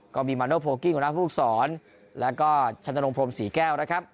ก็มีมันโน้ทโพลกิ้งของนักภูมิศรูปสอนแล้วก็ชันตรงพรมสี่แก้วนะครับ